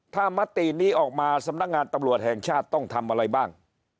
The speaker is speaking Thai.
ถ้ามตินี้ออกมาสำนักงานตำรวจแห่งชาติต้องทำอะไรบ้าง